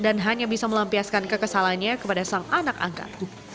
dan hanya bisa melampiaskan kekesalannya kepada sang anak angkat